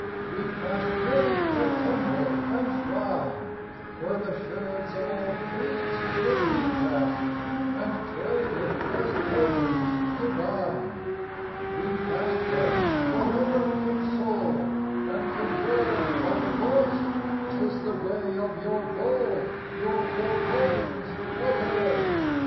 We passed Many a temple and shrine, Where the sherds of old creeds were recast And traded as tokens divine. We passed them, forever consoled And cajoled by the Voice,—'T is the way Of your goal; your forebodings allay."